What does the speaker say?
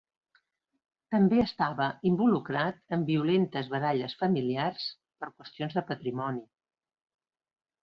També estava involucrat en violentes baralles familiars per qüestions de patrimoni.